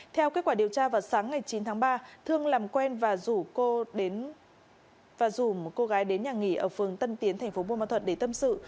theo kết quả điều tra vào sáng ngày chín tháng ba thương làm quen và rủ cô đến nhà nghỉ ở phường tân tiến tp buôn ma thuật để tâm sự